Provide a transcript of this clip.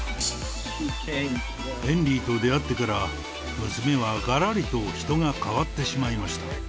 ヘンリーと出会ってから、娘はがらりと人が変わってしまいました。